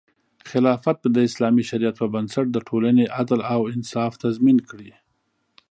خلافت به د اسلامي شریعت په بنسټ د ټولنې عدل او انصاف تضمین کړي.